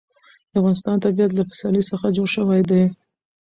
د افغانستان طبیعت له پسرلی څخه جوړ شوی دی.